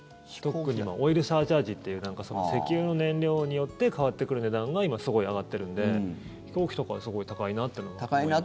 オイルサーチャージっていう石油の燃料によって変わってくる値段が今、すごい上がってるので飛行機とかはすごい高いなというのは思います。